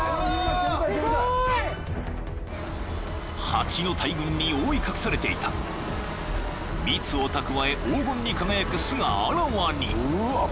［ハチの大群に覆い隠されていた蜜を蓄え黄金に輝く巣があらわに］